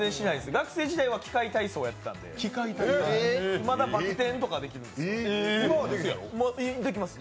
学生時代は器械体操してたんでまだバク転とかはできるんですよ。